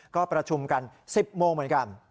ก็ประชุมกัน๑๐โมงเหมือนกัน